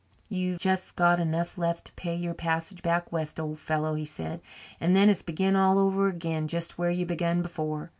"You've just got enough left to pay your passage back west, old fellow," he said, "and then it's begin all over again just where you begun before.